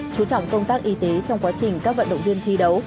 chú trọng công tác y tế trong quá trình các vận động viên thi đấu